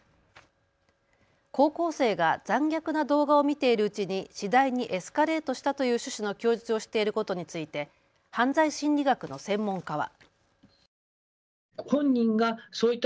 高校生が残虐な動画を見ているうちに次第にエスカレートしたという趣旨の供述をしていることについて犯罪心理学の専門家は。